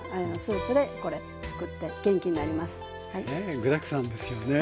具だくさんですよね。